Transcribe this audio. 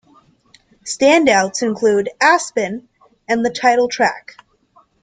Standouts include "Aspen" and the title track.